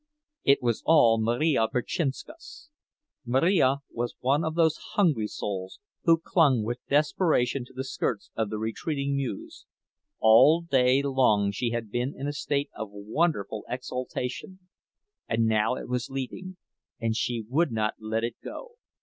It was all Marija Berczynskas. Marija was one of those hungry souls who cling with desperation to the skirts of the retreating muse. All day long she had been in a state of wonderful exaltation; and now it was leaving—and she would not let it go.